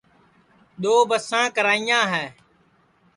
دؔو بساں کریاں ہے